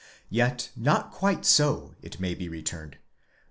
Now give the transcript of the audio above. Yet not quite so, it may be returned.